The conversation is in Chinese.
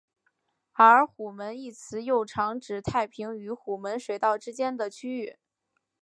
而虎门一词又常指太平与虎门水道之间的区域。